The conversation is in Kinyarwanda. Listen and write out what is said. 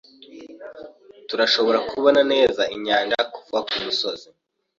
Turashobora kubona neza inyanja kuva kumusozi.